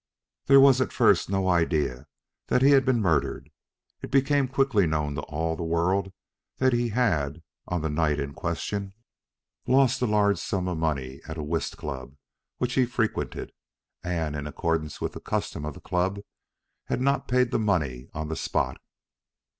There was at first no idea that he had been murdered. It became quickly known to all the world that he had, on the night in question, lost a large sum of money at a whist club which he frequented, and, in accordance with the custom of the club, had not paid the money on the spot.